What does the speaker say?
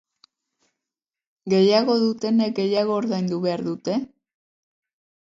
Gehiago dutenek gehiago ordaindu behar dute?